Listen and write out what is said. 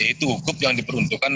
itu hukum yang diperuntukkan